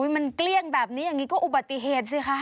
มันเกลี้ยงแบบนี้อย่างนี้ก็อุบัติเหตุสิคะ